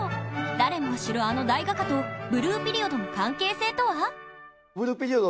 誰もが知るあの大画家と「ブルーピリオド」の関係性とは？